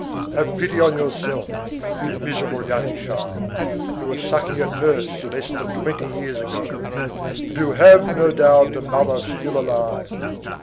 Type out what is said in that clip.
Have pity on yourself, you miserable young child, who were sucking at nurse less than twenty years ago, and who have, no doubt, a mother still alive!